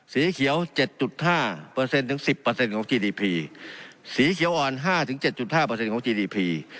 สีเขียวเจ็ดจุดห้าเปอร์เซ็นต์ถึงสิบเปอร์เซ็นต์ของจีดีพีสีเขียวอ่อนห้าถึงเจ็ดจุดห้าเปอร์เซ็นต์ของจีดีพี